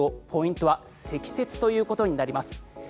ポイントは積雪ということになります。